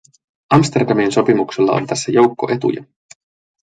Amsterdamin sopimuksella on tässä joukko etuja.